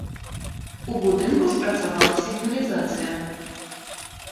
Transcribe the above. У будынку спрацавала сігналізацыя.